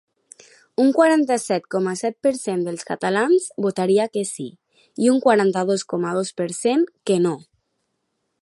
Un quaranta-set coma set per cent dels catalans votaria que sí, i un quaranta-dos coma dos per cent que no.